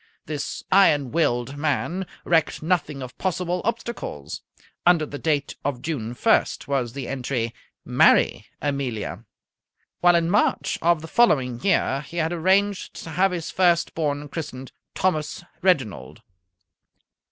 This iron willed man recked nothing of possible obstacles. Under the date of June 1st was the entry: "Marry Amelia"; while in March of the following year he had arranged to have his first born christened Thomas Reginald.